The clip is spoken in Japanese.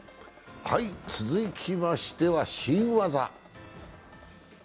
続きましては、新技。